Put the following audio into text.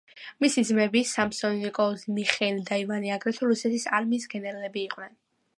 მისი ძმები, სამსონი, ნიკოლოზი, მიხეილი და ივანე აგრეთვე რუსეთის არმიის გენერლები იყვნენ.